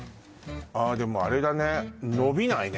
ああでもあれだね伸びないね